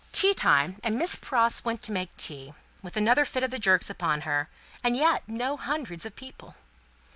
Tea time, and Miss Pross making tea, with another fit of the jerks upon her, and yet no Hundreds of people.